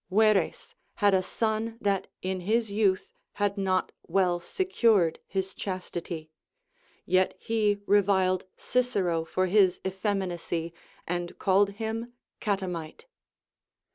\'^erres had a son that in his youth had not well secured his chastity ; yet he reviled Cicero for his effeminacy, and called him catamite.